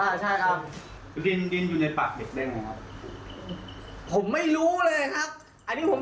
อ้าอะอ่ะใจการคนต่างก็เจอถึงวิ่งหนีตกใจคนเจอผีครับ